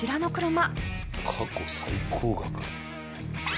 過去最高額。